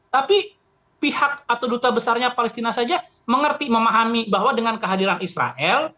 tapi pihak atau duta besarnya palestina saja mengerti memahami bahwa dengan kehadiran israel